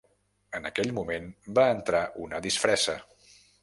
En aquell moment va entrar una disfressa.